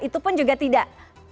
itu pun juga tidak